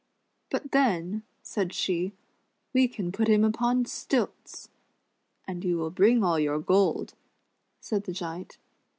"But then," said she, "we can put him upon stilts!" "And }'ou will bring all your gold," said the Giant.